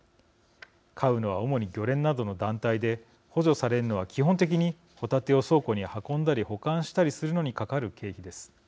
買うのは、主に漁連などの団体で補助されるのは基本的にホタテを倉庫に運んだり保管したりするのにかかる経費です。